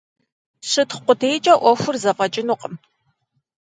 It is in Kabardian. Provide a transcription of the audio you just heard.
Щытхъу къудейкӀэ Ӏуэхур зэфӀэкӀынукъым.